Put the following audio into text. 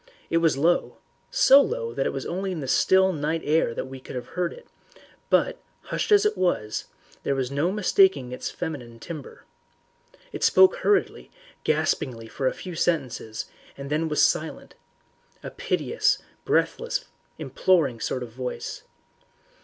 It was low so low that it was only in that still night air that we could have heard it, but, hushed as it was, there was no mistaking its feminine timbre. It spoke hurriedly, gaspingly for a few sentences, and then was silent a piteous, breathless, imploring sort of voice.